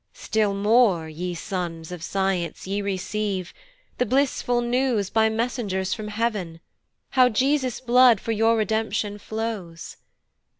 Still more, ye sons of science ye receive The blissful news by messengers from heav'n, How Jesus' blood for your redemption flows.